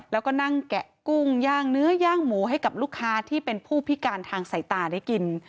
แล้วก็นั่งแกะกุ้งย่างเนื้อย่างหมูให้กับลูกค้าที่เป็นผู้พิการทางสายตาได้กิน